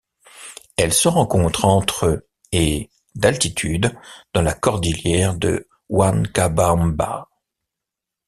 Elle se rencontre entre et d'altitude dans la cordillère de Huancabamba.